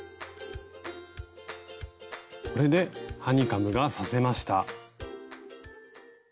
これでハニカムが刺せました。